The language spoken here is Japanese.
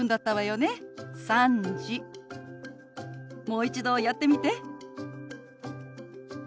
もう一度やってみて。